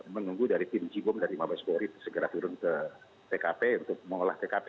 menunggu dari tim cibom dari mbak swovi segera turun ke tkp untuk mengolah tkp